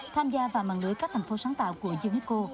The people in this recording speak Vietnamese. tham gia vào mạng lưới các thành phố sáng tạo của unesco